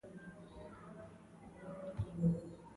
کروندګر د حاصل په ښه والي هڅې کوي